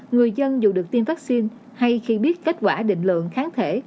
người dân dù được tiêm vaccine hay khi biết kết quả định lượng kháng thể